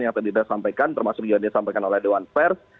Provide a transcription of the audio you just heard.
yang tadi disampaikan termasuk yang disampaikan oleh dpr